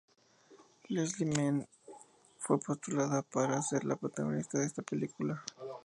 Leslie Mann fue postulada para ser la protagonista de esta película.